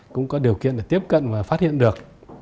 cũng có điều kiện để tiếp cận và phát hiện được